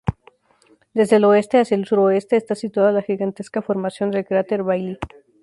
Desde el oeste hacia el suroeste, está situada la gigantesca formación del cráter Bailly.